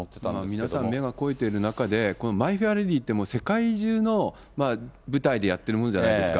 皆さん、目が肥えてる中で、このマイ・フェア・レディって世界中の舞台でやっているもんじゃないですか。